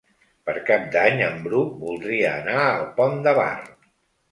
Per Cap d'Any en Bru voldria anar al Pont de Bar.